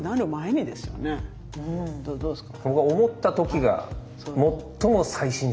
どうですか？